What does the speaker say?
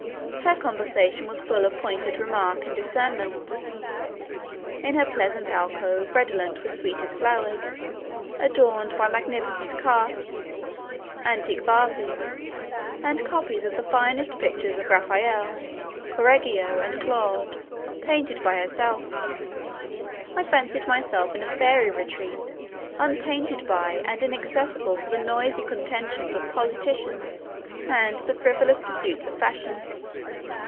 Her conversation was full of pointed remark and discernment; in her pleasant alcove, redolent with sweetest flowers, adorned by magnificent casts, antique vases, and copies of the finest pictures of Raphael, Correggio, and Claude, painted by herself, I fancied myself in a fairy retreat untainted by and inaccessible to the noisy contentions of politicians and the frivolous pursuits of fashion.